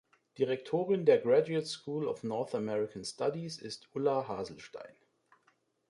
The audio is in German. Direktorin der Graduate School of North American Studies ist Ulla Haselstein.